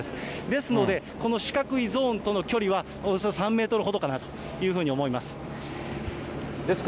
ですので、この四角いゾーンとの距離は、およそ３メートルほどかなと思います。